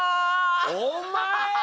お前。